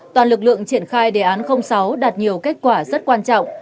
toàn lực lượng triển khai đề án sáu đạt nhiều kết quả rất quan trọng